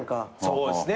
そうですね。